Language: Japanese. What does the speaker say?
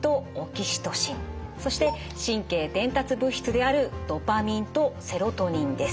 そして神経伝達物質であるドパミンとセロトニンです。